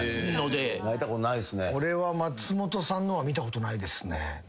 俺は松本さんのは見たことないですね。